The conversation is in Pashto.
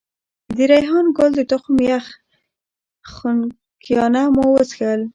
د ریحان ګل د تخم یخ خنکيانه مو وڅښل.